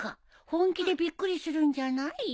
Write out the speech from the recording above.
本気でびっくりするんじゃないよ。